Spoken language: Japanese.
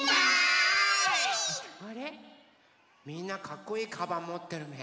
あれっみんなかっこいいカバンもってるね。